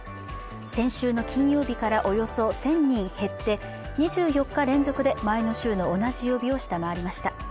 先週の金曜日からおよそ１０００人減って２４日連続で前の週の同じ曜日を下回りました。